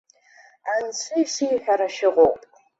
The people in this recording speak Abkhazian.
Анцәа ишиҳәара шәыҟоуп!